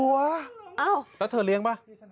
แล้วเธอเลี้ยงป่ะ